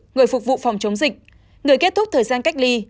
người phục vụ phòng chống dịch người kết thúc thời gian cách ly